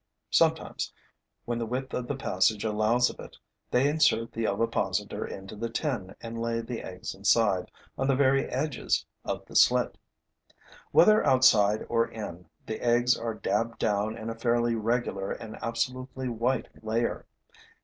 Sometimes, when the width of the passage allows of it, they insert the ovipositor into the tin and lay the eggs inside, on the very edges of the slit. Whether outside or in, the eggs are dabbed down in a fairly regular and absolutely white layer.